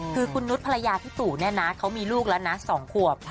คือคุณนุษย์ภรรยาพี่ตู่เนี่ยนะเขามีลูกแล้วนะ๒ขวบ